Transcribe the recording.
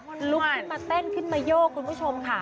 ลุกขึ้นมาเต้นขึ้นมาโยกคุณผู้ชมค่ะ